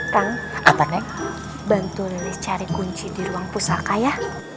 kang bantu lilis cari kunci di ruang pusaka ya